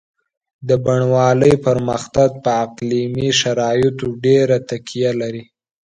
د بڼوالۍ پرمختګ په اقلیمي شرایطو ډېره تکیه لري.